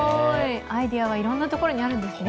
アイデアはいろいろなところにあるんですね。